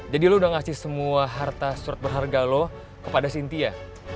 jadi lu udah ngasih semua harta surat berharga lu kepada sintia